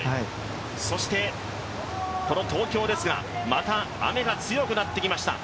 そしてこの東京ですが、また雨が強くなってきました。